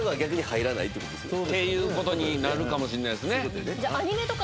っていう事になるかもしれないですね。